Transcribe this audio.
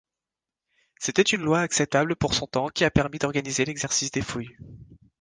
C'était une loi acceptable pour son temps qui a permis d'organiser l'exercice des fouilles.